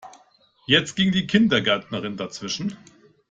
Jetzt ging die Kindergärtnerin dazwischen.